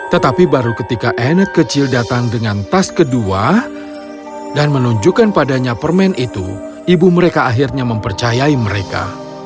tetapi baru ketika anet kecil datang dengan tas kedua dan menunjukkan padanya permen itu ibu mereka akhirnya mempercayai mereka